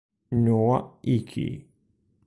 Noah Hickey